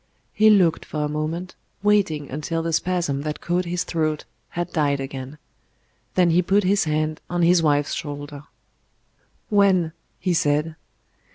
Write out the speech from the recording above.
He looked for a moment, waiting until the spasm that caught his throat had died again. Then he put his hand on his wife's shoulder. "When?" he said.